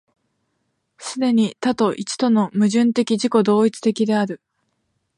既に多と一との矛盾的自己同一的である。